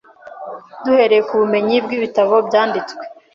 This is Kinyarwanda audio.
Duhereye ku bumenyi bwibitabo byabitswe